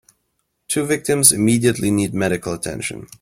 Two victims immediately need medical attention.